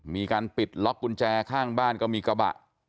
มีการปิดล็อกกุญแจข้างบ้านก็มีกระบะ